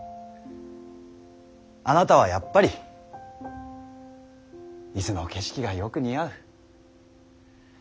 あなたはやっぱり伊豆の景色がよく似合う。